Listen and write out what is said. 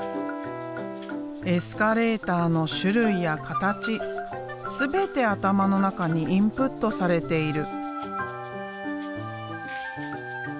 エスカレーターの種類や形全て頭の中にインプットされている。